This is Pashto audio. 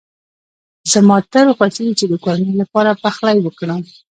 زما تل خوښېږی چي د کورنۍ لپاره پخلی وکړم.